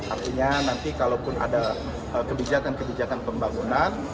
artinya nanti kalau pun ada kebijakan kebijakan pembangunan